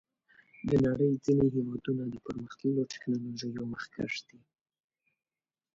د نړۍ ځینې هېوادونه د پرمختللو ټکنالوژیو مخکښ دي.